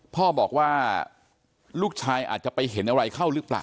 พ่อบอกว่าลูกชายอาจจะไปเห็นอะไรเข้าหรือเปล่า